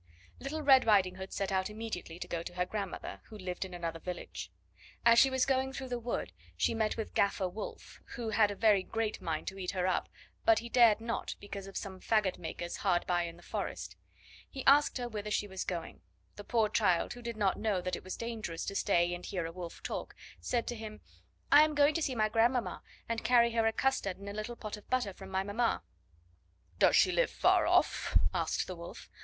Little Red Riding Hood set out immediately to go to her grandmother, who lived in another village. As she was going through the wood, she met with Gaffer Wolf, who had a very great mind to eat her up, but he dared not, because of some faggot makers hard by in the forest. He asked her whither she was going. The poor child, who did not know that it was dangerous to stay and hear a wolf talk, said to him: "I am going to see my grandmamma and carry her a custard and a little pot of butter from my mamma." "Does she live far off?" said the Wolf.